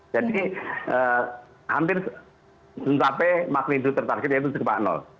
jadi hampir sejumlah p magnitudo tertarget yaitu sekepa